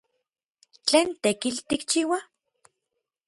¿Tlen tekitl tikchiua?